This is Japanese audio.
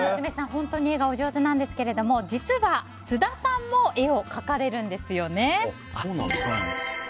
本当に笑顔上手なんですが実は津田さんも絵を描かれるんですよね。